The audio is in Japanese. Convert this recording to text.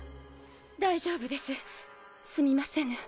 大丈夫ですすみませぬ。